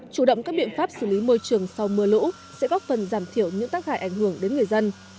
chủ động các biện pháp xử lý môi trường sau mưa lũ sẽ góp phần giảm thiểu những tác hại ảnh hưởng đến người dân